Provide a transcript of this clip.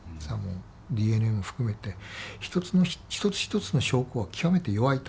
ＤＮＡも含めて一つ一つの証拠は極めて弱いと。